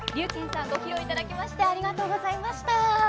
劉妍さんご披露いただきましてありがとうございました。